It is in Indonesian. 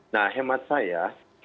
nah hemat saya